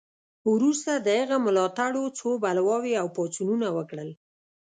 وروسته د هغه ملاتړو څو بلواوې او پاڅونونه وکړل.